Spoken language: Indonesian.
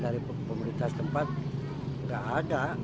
ya dari pemerintah setempat nggak ada